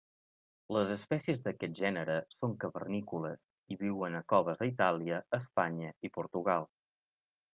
Les espècies d'aquest gènere són cavernícoles i viuen en coves a Itàlia, Espanya i Portugal.